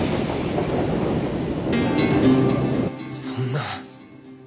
そんな。